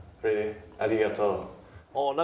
ありがとう。